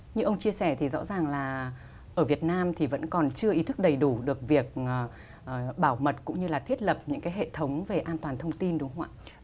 như ông chia sẻ thì rõ ràng là ở việt nam thì vẫn còn chưa ý thức đầy đủ được việc bảo mật cũng như là thiết lập những cái hệ thống về an toàn thông tin đúng không ạ